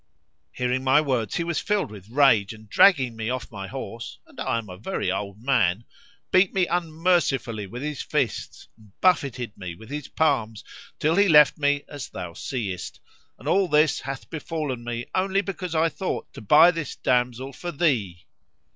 Hearing my words he was filled with rage; and, dragging me off my horse (and I a very old man), beat me unmercifully with his fists and buffeted me with his palms till he left me as thou seest, and all this hath befallen me only because I thought to buy this damsel for thee!"